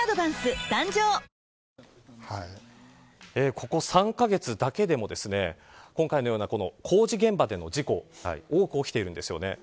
ここ３カ月だけでも今回のような工事現場での事故多く起きているんですよね。